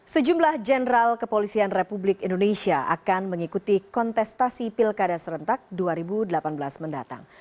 sejumlah jenderal kepolisian republik indonesia akan mengikuti kontestasi pilkada serentak dua ribu delapan belas mendatang